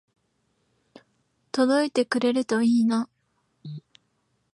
届いてくれるといいな